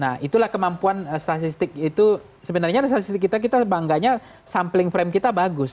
nah itulah kemampuan statistik itu sebenarnya statistik kita kita bangganya sampling frame kita bagus